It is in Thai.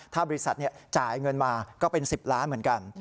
ถ้าบริษัทจ่ายเงินมาก็เป็น๑๐ล้านเหมือนกัน